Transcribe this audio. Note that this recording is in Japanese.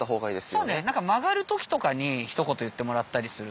そうね曲がる時とかにひと言言ってもらったりすると。